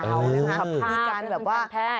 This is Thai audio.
มีการแบบว่า